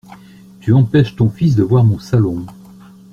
Tu empêches ton fils de voir mon salon.